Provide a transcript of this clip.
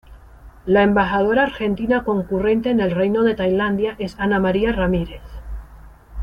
La embajadora argentina concurrente en el Reino de Tailandia es Ana Maria Ramírez.